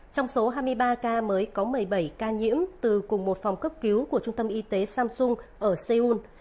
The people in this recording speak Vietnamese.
trong số hai mươi ba ca mới có một mươi bảy ca nhiễm từ cùng một phòng cấp cứu của trung tâm y tế samsung ở seoul